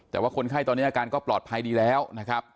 แต่ว่าคนไข้ตอนนี้อาการก็ปลอดภัยดีแล้วนะครับ